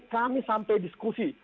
kami sampai diskusi